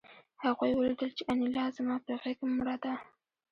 هغوی ولیدل چې انیلا زما په غېږ کې مړه ده